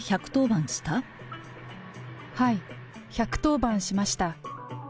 はい、１１０番しました。